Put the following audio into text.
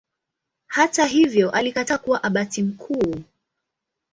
Hata hivyo alikataa kuwa Abati mkuu.